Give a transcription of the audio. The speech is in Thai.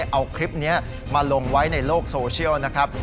เอาคลิปนี้มาลงไว้ในโลกโซเชียลนะครับ